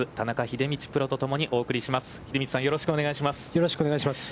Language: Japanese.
秀道さん、よろしくお願いします。